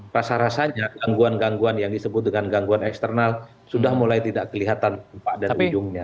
rasa rasanya gangguan gangguan yang disebut dengan gangguan eksternal sudah mulai tidak kelihatan dari ujungnya